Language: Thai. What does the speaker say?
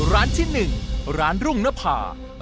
ร้านที่๑ร้านรุ่งนภา